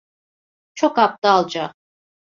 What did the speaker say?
Çok aptalca.